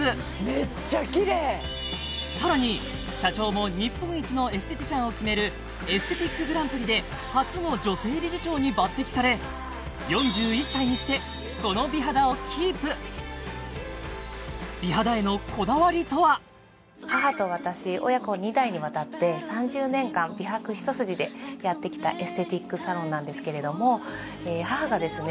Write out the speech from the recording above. めっちゃきれいさらに社長も日本一のエステティシャンを決めるエステティックグランプリで初の女性理事長に抜てきされ４１歳にしてこの美肌をキープ美肌へのこだわりとは母と私親子二代にわたって３０年間美白一筋でやってきたエステティックサロンなんですけれども母がですね